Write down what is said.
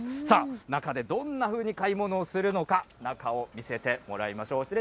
さあ、中でどんなふうに買い物をするのか、中を見せてもらいましょう。